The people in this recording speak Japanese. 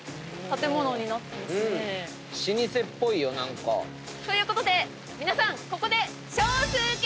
老舗っぽいよ。ということで皆さんここで。